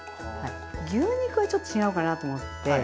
牛肉はちょっと違うかなと思って。